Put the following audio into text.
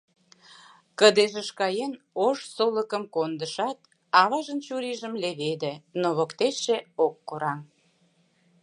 Кыдежыш каен, ош солыкым кондышат, аважын чурийжым леведе, но воктечше ок кораҥ.